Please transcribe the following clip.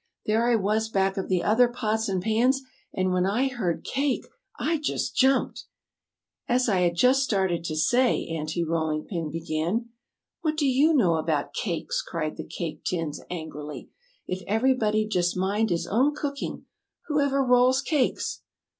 There I was back of the other pots and pans, and when I heard 'Cake' I just jumped!" "As I had just started to say" Aunty Rolling Pin began. "What do you know about cakes!" cried the Cake Tins, angrily. "If everybody'd just mind his own cooking who ever rolls cakes?"